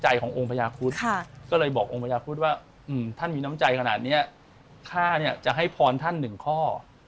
จริงคือไม่ใช่เขามีข้อต่อลองกัน